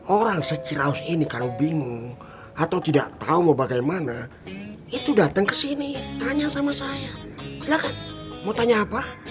orang secir aus ini kalau bingung atau tidak tahu mau bagaimana itu datang kesini tanya sama saya silahkan mau tanya apa